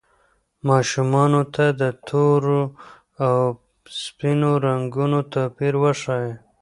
ماشومانو ته د تورو او سپینو رنګونو توپیر وښایئ.